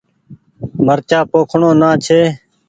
مرچآ پوکڻو نآ ڇي ۔